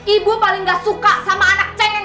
ibu paling gak suka sama anak cengeng